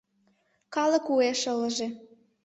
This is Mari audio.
Калык уэш ылыже.